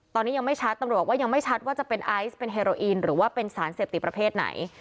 ตอนนี้ยังไม่ชัดตำรวจว่ายังไม่ชัดว่าจะเป็นไอซ์เป็นเฮโรอีนหรือว่าเป็นสารเสพติดประเภทไหน